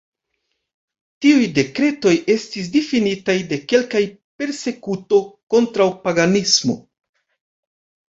Tiuj dekretoj estis difinitaj de kelkaj Persekuto kontraŭ paganismo.